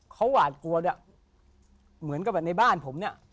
เขาหวาดกลัวด้วยเหมือนกับแบบในบ้านผมเนี่ย